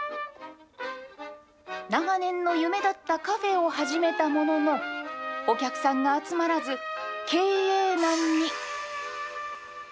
長年の夢だったカフェを始めたものの、お客さんが集まらず、経営難に。